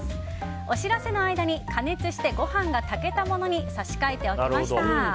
お知らせの間に加熱してご飯が炊けたものに差し替えておきました。